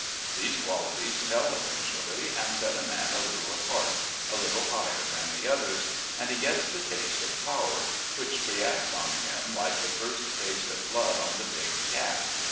These qualities tell eventually, and set a man a little apart, a little higher than the others, and he gets the taste of power, which reacts on him like the first taste of blood on the big cat.